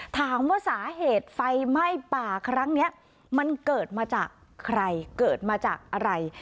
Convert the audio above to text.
ถามว่าสาเหตุไฟไหม้ป่าครั้งนี้มันเกิดมาจากใครเกิดมาจากอะไร